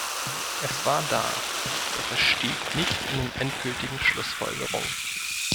Es war da, doch es steht nicht in den endgültigen Schlussfolgerungen.